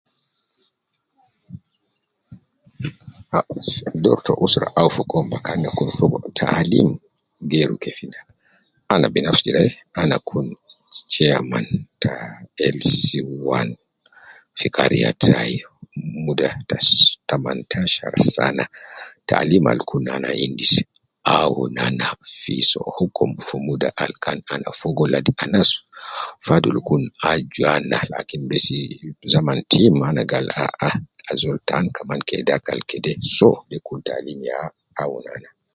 Ah fi dor ta usra au fi koum bakan de fi fogo, taalim geeru kefin, ana binafsi jede, ana kun chairman ta LC 1 fi kariya tai, muda ta sa taman tashar sana, taalim al kun nana endis ,awun ana fi soo hukum fi muda al kan ana fogo ladi anas fadul kul aju ana lakin besi zaman tim ana gal ah ah, ajol tan kaman kede dakal kede soo, de kul taalim ya awun ana